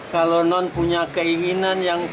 kalau non punya keinginan yang